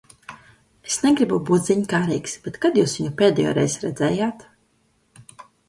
Es negribu būt ziņkārīgs, bet kad jūs viņu pēdējoreiz redzējāt?